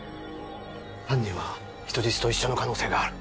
犯人は人質と一緒の可能性がある。